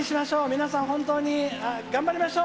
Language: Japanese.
皆さん、本当に頑張りましょう。